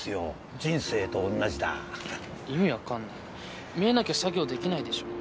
人生と同じだ意味分かんない見えなきゃ作業できないでしょ